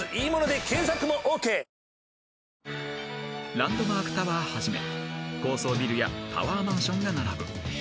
［ランドマークタワーはじめ高層ビルやタワーマンションが並ぶ］